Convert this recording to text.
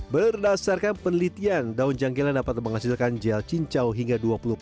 berdasarkan penelitian daun jangkela dapat menghasilkan gel cincau hingga dua puluh